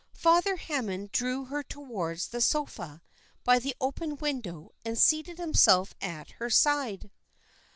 Father Hammond drew her towards the sofa by the open window, and seated himself at her side.